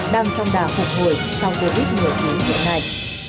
đang trong đà phục hồi sau covid một mươi chín hiện nay